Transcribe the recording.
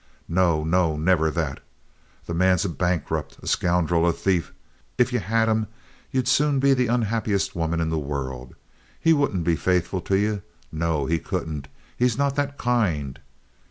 No, no! Never that! The man's a bankrupt, a scoundrel, a thafe. If ye had him, ye'd soon be the unhappiest woman in the world. He wouldn't be faithful to ye. No, he couldn't. He's not that kind."